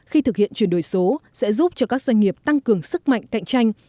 khi thực hiện chuyển đổi số sẽ giúp cho các doanh nghiệp tăng cường sức mạnh cạnh tranh